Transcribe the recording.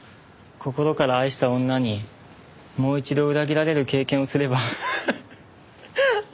心から愛した女にもう一度裏切られる経験をすればハハッ！